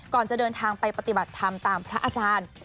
ก่อนจะเดินทางไปปฏิบัติธรรมตามพระอาจารย์